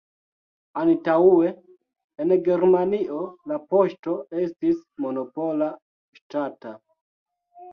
Antaŭe en Germanio la poŝto estis monopola, ŝtata.